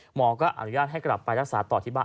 หมอก็อนุญาตให้กลับไปรักษาต่อที่บ้าน